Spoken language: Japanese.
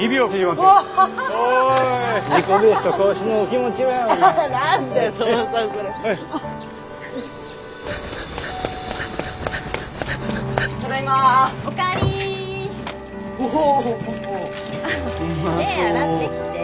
手ぇ洗ってきて。